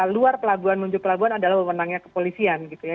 luar pelabuhan menuju pelabuhan adalah wewenangnya kepolisian gitu ya